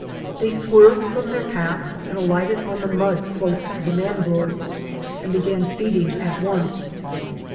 They swerved from their path and alighted on the mud close to the mangroves, and began feeding at once.